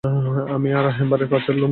আমি আর এম্বারের পাছার লোম।